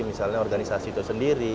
misalnya organisasi itu sendiri